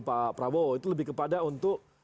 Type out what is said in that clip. pak prabowo itu lebih kepada untuk